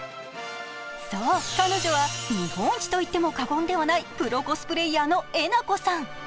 そう、彼女は日本一といっても過言ではない、プロコスプレーヤーのえなこさん。